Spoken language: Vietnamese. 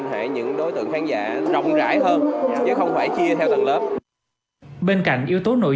hệ những đối tượng khán giả rộng rãi hơn chứ không phải chia theo tầng lớp bên cạnh yếu tố nội